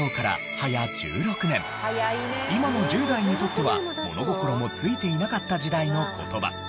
今の１０代にとっては物心もついていなかった時代の言葉。